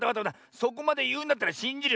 そこまでいうんだったらしんじるよ。